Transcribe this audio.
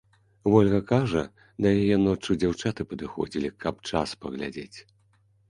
Вольга кажа, да яе ноччу дзяўчаты падыходзілі, каб час паглядзець.